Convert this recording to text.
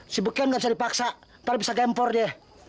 si beken gak bisa dipaksa nanti bisa gempor dia